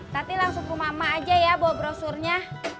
tapi langsung ke mama aja ya bawa brosurnya